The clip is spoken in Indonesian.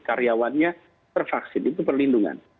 karyawannya tervaksin itu perlindungan